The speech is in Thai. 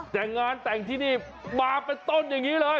แต่งานแต่งที่นี่มาเป็นต้นอย่างนี้เลย